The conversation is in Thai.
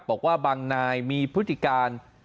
บอกว่าบางนายมีพฤติการ